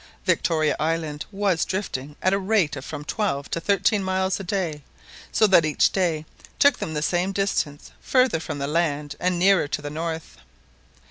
Victoria Island was drifting at a rate of from twelve to thirteen miles a day, so that each day took them the same distance farther from the land and nearer to the north.